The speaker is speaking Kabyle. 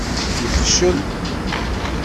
Yefcel.